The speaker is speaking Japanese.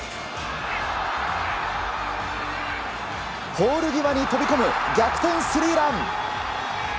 ポール際に飛び込む逆転スリーラン。